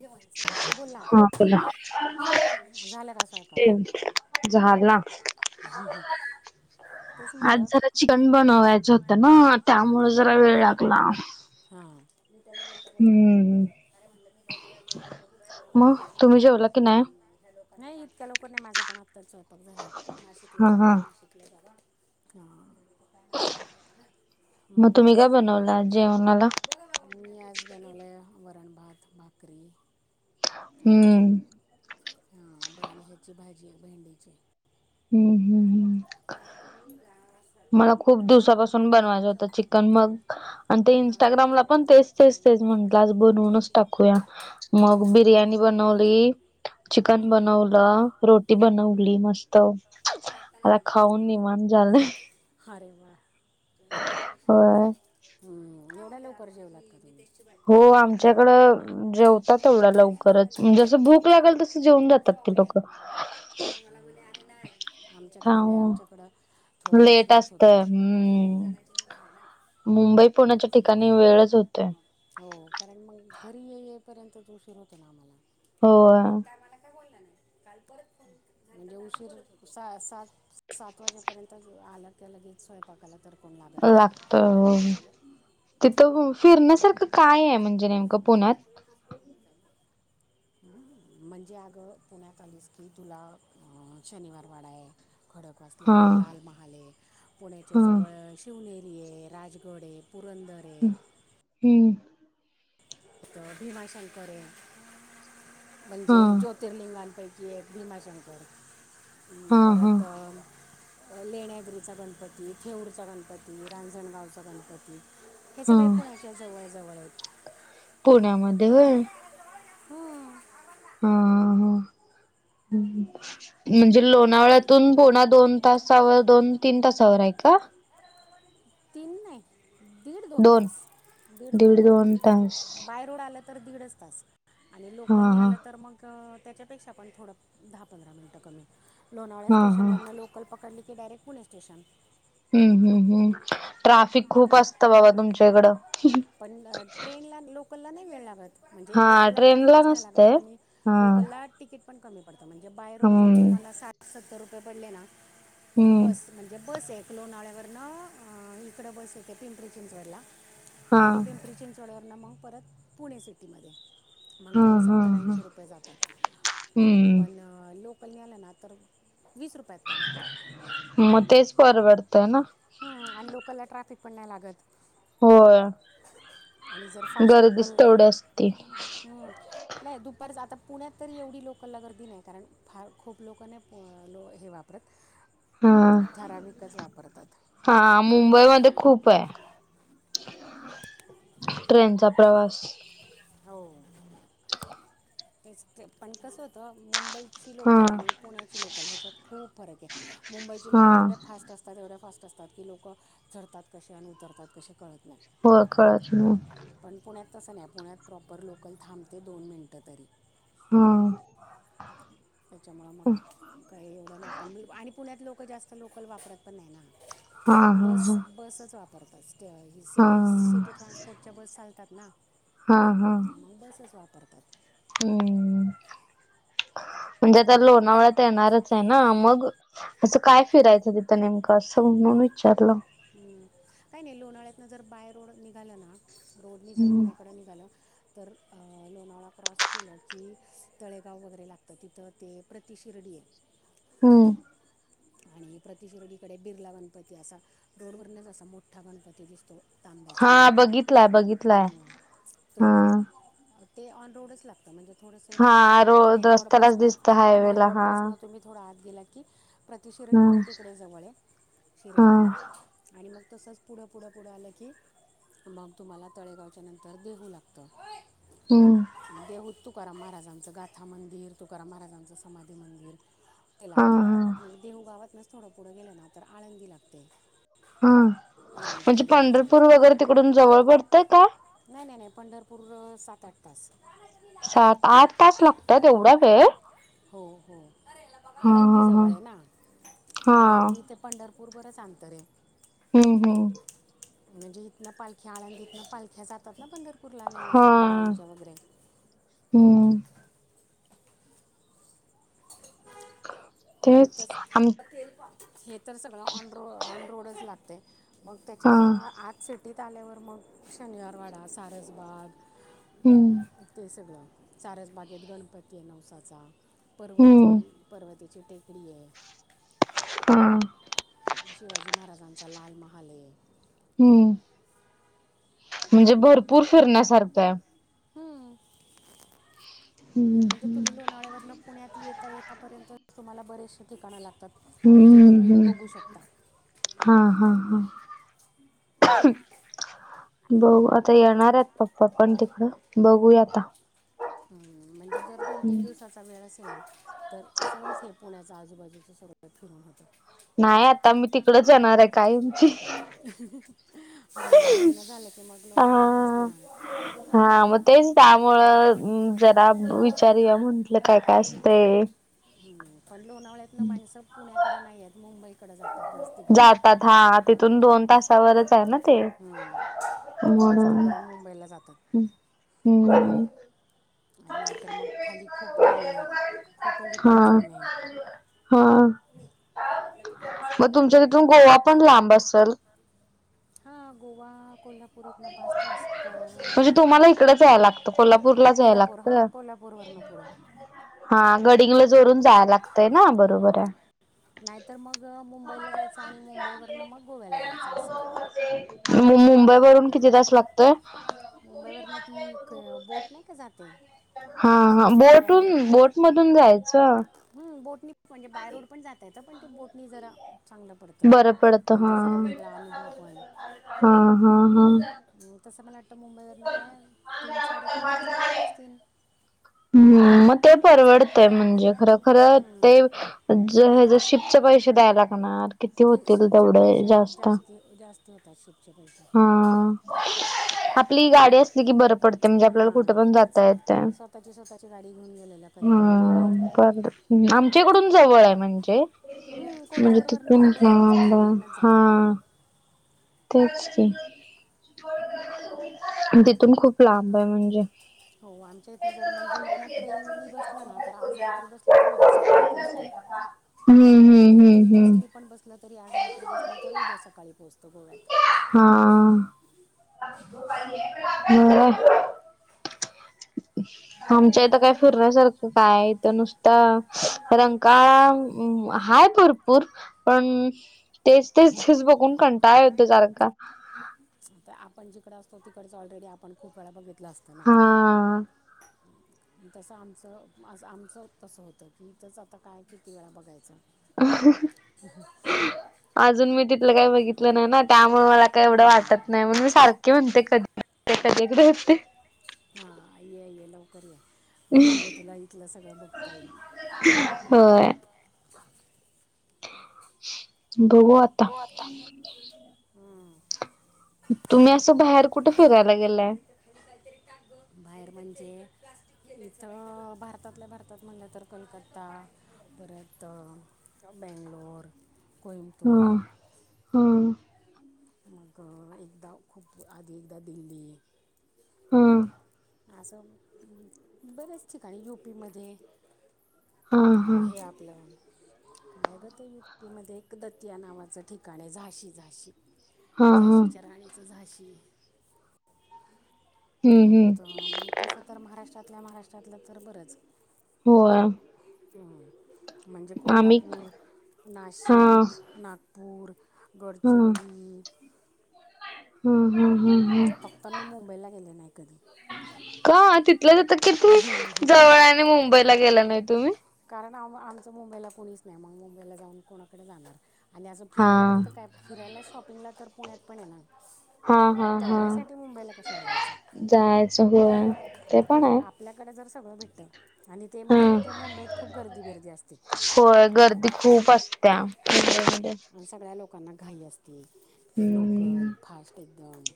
जेवायचं बोल ना हा बोला तर सगळं झालं झाला का स्वयंपाक झालना तेच म्हटलं आज जरा चिकन बनवायचं होतं ना त्यामुळे जरा वेळ लागला हम्म. हा मग तुमी जेवला की नई नइ इतक्या लोकर नइ माझ पण आत्ताच स्वयपाक झाला नाशिकला हा हा. जावा नाशिकला हा म तुमी आज काय बनवलाय आज जेवणाला बघा बाबा मी आज बनवलाय वरण भात भाकरी आणि हम्म हां बाआणि हेची भाजी भेंडीची. हम्-हम्-हम् म्हणलं तुम्ही जाणार असाल मला खूप तर जावा दिवसापासून म्हणलं तुझी बनवायचं इच्छा होत होती चिकन मग आणि ते मला काही इंस्टाग्रामला जाता पण येणार नाही म्हणून मी तेच-तेच-तेच जावा म्हटलं अशी आज तुझी इच्छा बनवूनच होती टाकूया. मग बिर्याणी बनवली रुपेश चिकन बनव ब्लं, रोटी बनवली मस्त. आपण आत्ता नाही ना जाऊ खाऊन निवांत झालंय हं हरे व्वा. ते वूड पेशा होय. म्हणलं, हम्. एवढ्या लवकर जेवलात का तुमी? हो आमच्याकडं अ जेवतात येवड्या चाळीस लवकरंच, दिवसानंतर मंजे झाली असं भूक लागल तसं जेऊन जातात. सहा ते महिना लोकं झाला आमच्याकडं नाय आमच्याकडं थोडं लेट उंशीरच असत होतो. हम्म मुंबई पुण्याच्या थोडसं ठिकाणी म्हणलं होतं, वेळच होते हो कारण मग घरी ये ये पर्यतच उशीर होतोय म आम्हाला. होय. बोला नाही, काल परत फोन म्हणजे उशीर सा सात सात वाजेपर्यतच आला की, लगेच स्वयंपाकाला तर कोण लागत नाही. तिथं व्हयं फिरण्या सारखं काय हाय, म्हणजे नेमकं पुण्यात? [inaudible] म्हणजे अगं पुण्यात आलीस की, तुला शनिवार वाडा ये. खडक वासला हा हे लाल महाले पुण्याच्या हा जवळ शिवनेरी राजगड ये पुरंदर ये. हम हम. भीमाशंकर ये हा म्हणजे ज्योतिर्लिंगांपैकी की एक भीमाशंकर हा हा परत अ लेण्याद्रीचा गणपती थेऊरचा गणपती रांजणगावचा गणपती हे हा सगळे पुण्याच्या जवळ जवळ आहेत. पुण्यामध्ये होय? हो. हा हा हम. म्हणजे लोणावळ्यातून पुणा दोन तासावर दोन- तीन तासा वर आहे का? [unintelligible] तीन नाई दीड दोन तास दीड दोन बाय रोड आलं तर दीडच तास आणि हा लोकलनी हा आलं तर मग तेच्यापेक्षा पण थोडं दहा पंधरा मिनट कमी लोणावळ्या हा हा स्टेशनवर लोकल पकडली डायरेक्ट पुणे स्टेशन. हम हम हम ट्राफिक खूप असतं बाबा तुमच्या इकडं? पण ट्रेनला न लोकलला नाही वेळ लागतं. म्हणजे हा लोकलला ट्रेन ला ट्रॅफिकच नाही लागत, नसतय आणि हा लोकलला तिकीट पण कमी पडतात. आ म्हणजे बाय रोड जर हम्म तुम्हाला साठ सत्तर रुपये पडले ना हम्म बस म्हणजे बस एक लोणाळ्यावर न इकडे बस येते पिंपरी चिंचवडला हा आणि पिंपरी चिंचवड तिथनं मग परत पुणे सिटीमध्ये. मग हा त्याला हा हा सत्तरऐंशी रुपये जातात, हम्म पण लोक लोकलने आलं ना तर वीस रुपयात काम होतं [unintelligible] मग तेच परवडत. हम आणि लोकलला ट्रॅफिक पण नाही लागत. होय. आणि जर फास्ट गर्दीच लोकल तेवढी असती हम नाही दुपार जाता. पुण्यात तरी एवढी लोकला गर्दी नाही, कारण फार खूप लोक नाही हे लो वापरत. हा ठराविकच वापरतात. हा मुंबई मध्ये खूपय ट्रेनचा प्रवास हो [inaudible] तेच ते पण कसं होतं मुंबईची हा लोकल आणि पुण्याची लोकल ह्याच्यात खूप फरके मुंबईची हा लोकल एवढ्या फास्ट असतात एवढ्या फास्ट असतात की लोक चढतात कसे आणि उतरतात कसे कळत नाही होय कळत नाही. पण पुण्यात तसं नाही पुण्यात प्रॉपर लोकल थांबते दोन मिनटं तरी हा. त्याच्यामुळं मग काही एवढं नाही पण आणि पुण्यात लोक जास्त लोकल वापरत पण नाही ना हा बस हा बसच वापरतात हा सी हा सिटी ट्रान्सपोर्टच्या बस चालतात. ना हा हा मग बसच वापरतात हम्म म्हणजेता बर लोणावळ्यात येणारचे ना मग असं काय फिरायचं तिथं नेमकं असं म्हणून विचारलं हम्म काही नाही लोणाळ्यातन जर बाय रोड निघाला ना रोडनी जर हम्म पुण्यकडं निघालं तर लोणावळा क्रॉस केलं की तळेगाव वगैरे लागतं तिथं ते प्रतिशिर्डी आहे हम्म आणि प्रतिशीर्डी कडे बिर्ला गणपती असा रोडवरनेच असा मोठा गणपती दिसतो. तांब्याचा हा बघितलाय बघितलाय हम्म. हा तो ते ऑन रोडच लागत म्हणजे हा थोडंसं रोड मेन रस्त्यालाच दिसत रोडपासनं मेन हायवेला हा रोडपासनं तुम्ही थोडं आात गेला की प्रतिशिर्डी हम्म पण तिकडे जवळे हा शिरगावला आणि मग तसच पुढं पुढं पुढं आलं की मग तुम्हाला तळेगावच्या नंतर देहू लागत हम्म देहूत तू तुकाराम महाराजांचं गाथा मंदिर, तुकाराम महाराजांचं समाधी मंदिर ते हा लागतं हा मग देहू गावातनंच थोडं पुढं गेलं ना तर आळंदी लागते हा. ज्ञानेश्वर म्हणजे पंढरपूर महाराजांची वगैरे तिकडून जवळ पडतं का? नाही नाही नाही पंढरपूर अं, सात आठ तास सात आठ तास लागतात एवढा वेळ? हो हो हा आळंदी हा जवळ आहे ना हा हा आळंदी ते पंढरपूर बरच अंतरे हम्म हम्म. म्हणजे हितन पाल की आळंदीतन पालख्या जातात ना पंढरपूरला हा ज्ञानेश्वर माउलींच्या वैगेरे हम्म हे तेच तस आम [unintelligible] हे तर सगळं ऑन रो ऑन रोडच लागतय. मग हा त्याच्यात ना आज सिटीत आल्यावर मग शनिवारवाडा, सारसबाग हम्म ते सगळं सारस बागेत गणपतीय नवसाचा हम्म पर्वती, पर्वतीची टेकडीय हा शिवाजी महाराजांचा लाल महालय. हम् म्हणजे भरपूर फिरण्यासारखाय हम्म. म्हणजे हम्म तुम्ही लोणाळ्यावरन पुण्यात येता- येतापर्यंत तुम्हाला बरेचशे ठिकाण लागतात. की जे हम्म तुम्ही हम्म बघू शकता हा हा हा [inaudible] बघू आता येणारेत पप्पा पण तिकडं बघूया आता हम्म म्हणजे जर दोन तीन दिवसाचा वेळ असेल ना तर सहज हे पुण्याच्या आजूबाजूच सगळं फिरून होतं. नाही आता मी तिकडच येणारय आहे कायमची हा लग्न झालं की मग, हा लोणावळ्यातच ना. हा मग तेच त्यामुळं, जरा विचारूया म्हटलं काय-काय असतय? हम पण लोणावळ्यातनं माणसं पुण्याकडे नाही येत. मुंबई जातात, हा तिथून दोन तासा वर हायना ते. हम्म, जास्ती म्हणून करून मुंबईला जातात. हम. आणि नाहीतर, मग खाली खोपोलीये. खोपोली हा पण छान! हाय. हा, मग तुमच्या तिथून, गोवा पण लांब असल? हा गोवा, कोल्हा [unintelligible] म्हणजे तुम्हाला इकडचं यायला लागत, कोल्हापूरला कोल्हापूर, हा कोल्हापूर वरण पुढं. हा गडहिंग्लज वरून जाया लागतय ना, बरोबर हाय. हम्म. नाहीतर, मग मुंबईला जायचं आणि मुंबई वरन मग, गोव्याला जायचं असं. मुंबई वरून किती तास लागत? मुंबई वरन ती क बोट नाही का, जाते? हा ह बोटून डायरेक्ट बोट मधून जायचं? बोटनी म्हणजे बाय रोड पण जाता येत, पण ते बोटनी जरा चांगलं पडतं बरं पडत, हा म्हणजे जरा वेगळा अनुभव पण हा हा हा. हम्म, तसं मला वाटतं मुंबई वरन काय, तीन साडेतीन तास लागत असतील? हम म [unintelligible] ते परवडतयं म्हणजे खर -खर ते हम्म. ज ह शिपचे पैसे द्याय लागणार. किती होतील, तेवढे जास्त. जास्त होतात, शिपचे पैसे. हा आपली गाडी असली की, बर पडतयं म्हणजे, आपल्याला कुठे हां पण तेच जाता येतय. स्वतःची स्वतःची गाडी घेऊन गेलेलं कधी पण परवडतं ह ब आमच्याकडून जवळ आहे म्हणजे हं, म्हणजे कोल्हापूरवरनं किती? जवळ आहे ना हा ब तिकडनंच हा जातात ना तेच की, तिथून खूप लांब हाय म्हणजे? हो, आमच्या इथनं जर म्हणजे इथन ट्रेननी बसला ना, तर आज रात्री बसला तर उद्या सकाळी पोहोचत. [unintelligible] हम्म हम्म बस हम्म नी पण बसल तरी, आज रात्री बसलं तर उद्या सकाळी पोहोचत. गोव्यात हा हा आ. [unintelligible] पण आमच्या इथं काय पुण्यात फिरण्यासारखं काय इथं नुसता रंकाळा हाय भरपूर, पण तेच तेच तेच बघून कंटाळा येतो सारखा. तर आपण जिकडे असतो, तिकडेच ऑलरेडी आपण खूप वेळा बघितलं असत ना हा. तसं आमचं असं आमचं तसं होतं, की इथंच आता काय किती वेळा बघायचं? ह ह. अजून मी तिथलं काय बघितलं नाय ना त्यामुळं मला काय एवढं हं. वाटत नाय, म्हणून सारखी म्हणते कधी [unintelligible] कधी इकडे येते? हा ये ये लवकर ये म्हणजे, तुला इथलं सगळं बघता येईल. होय. बघू आता हं. तुम्ही असं बाहेर कुठ फिरायला गेलाय? बाहेर म्हणजे इथं अ भारतातल्या भारतात म्हणलं तर कोलकत्ता परत बेंगलोर को हा हा. मग अ एकदा खूप आधी एकदा दिल्ली. हा. असं बरेच ठिकाणी युपी मध्ये हा हा अ हा हे आपलं आहे ग ते यूपी मध्ये एक दतिया नावाचं ठिकाण आहे झाशी झाशी हा झाशीच्या राणीचं झाशी हम्म हम्म परत मग तसं तर महाराष्ट्रातल्या महाराष्ट्रातलं तर बरंच हो म्हणजे कोल्हापूर हा हा नाशिक नागपूर गडचिरोली हम्म हम्म हम्म फक्त मी मुंबईला गेले नाही कधी [unintelligible] किती जवळय आणि मुंबईला गेला नाही तुम्ही [inaudible] आमचं मुंबईला कोणीच नाही मग मुंबईला जाऊन कोणाकडे जाणार आणि असं हा फिरायला फक्त काय फिरायला शॉपिंगला तर पुण्यात पण ये ना हा मग हा हा तेवढ्यासाठी मुंबईला कशाला जायचं होय ते पण म्हण आहे आपल्याकडे जर सगळं भेटतं आणि ते मेन हा म्हणजे मुंबईत खूप गर्दी बिर्दी असते होय गर्दी खूप असत्या आणि सगळ्या लोकांना घाई असते ते लोकल हम्म फास्ट एकदम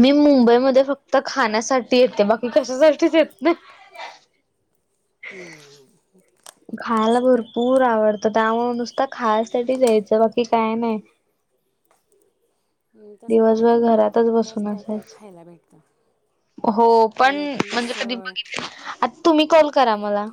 मी मुंबईमध्ये फक्त खाण्यासाठी येते बाकी कशासाठीच येत नाही खायला तसं तर भरपूर आवडतं त्यामुळं नुसतं खायसाठी जायचं बाकी काय नाय म्म.. तसं तर आमच्या पुण्यात पण बरंच बसून काय काय असायच. खायला भेटतं हो पण पुण्यात म्हणजे मिसळ कधी बघितले आ तुम्ही कॉल करा मला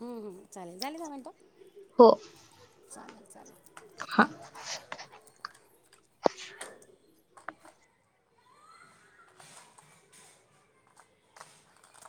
हम्म हम् चालेल झाले दहा मिनिटं हो [inaudible] चालेल चालेल हा